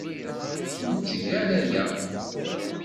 Ur netteg ara aya.